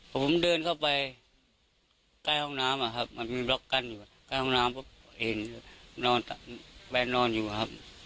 ผมเดินเข้าไปใกล้ห้องน้ำอะครับมันมีบล็อกกั้นอยู่ใกล้ห้องน้ำเพราะเห็นแฟนนอนอยู่ครับ